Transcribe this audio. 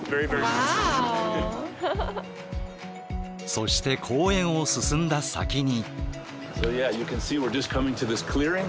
そして公園を進んだ先に。